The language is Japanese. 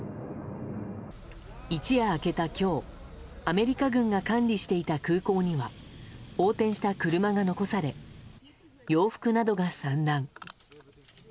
一夜明けた今日、アメリカ軍が管理していた空港には横転した車が残され洋服などが散乱。